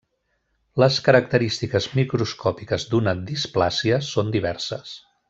Les característiques microscòpiques d'una displàsia són diverses.